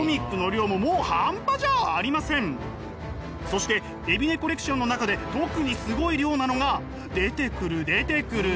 そして海老根コレクションの中で特にすごい量なのが出てくる出てくる。